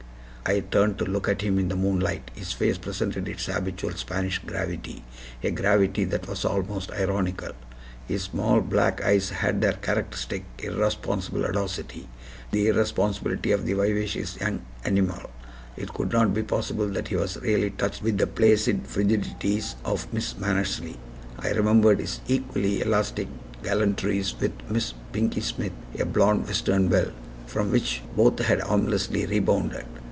I turned to look at him in the moonlight. His face presented its habitual Spanish gravity a gravity that was almost ironical. His small black eyes had their characteristic irresponsible audacity the irresponsibility of the vivacious young animal. It could not be possible that he was really touched with the placid frigidities of Miss Mannersley. I remembered his equally elastic gallantries with Miss Pinkey Smith, a blonde Western belle, from which both had harmlessly rebounded.